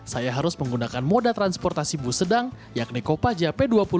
saya harus menggunakan moda transportasi bus sedang yakni kopaja p dua puluh